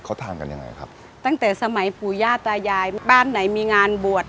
เขาทานกันยังไงครับตั้งแต่สมัยปู่ย่าตายายบ้านไหนมีงานบวช